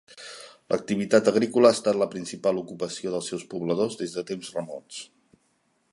L'activitat agrícola ha estat la principal ocupació dels seus pobladors des de temps remots.